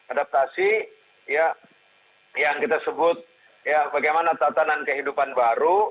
adaptasi yang kita sebut bagaimana tatanan kehidupan baru